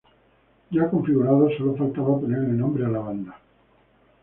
Ya configurados, sólo faltaba ponerle nombre a la banda.